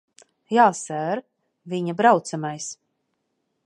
Jā, ser. Viņa braucamais.